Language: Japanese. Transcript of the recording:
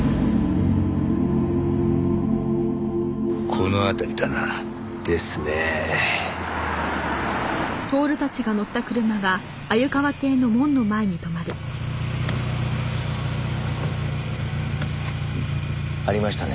この辺りだな。ですね。ありましたね。